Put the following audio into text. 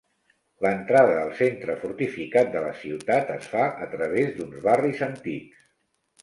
L'entrada al centre fortificat de la ciutat es fa a traves d'uns barris antics.